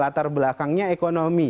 latar belakangnya ekonomi